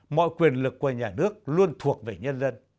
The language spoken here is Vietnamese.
mọi quyền lực của nhà nước luôn thuộc về nhân dân